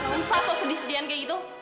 gak usah sok sedih sedian kayak gitu